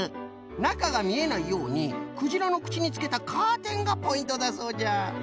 なかがみえないようにくじらのくちにつけたカーテンがポイントだそうじゃ。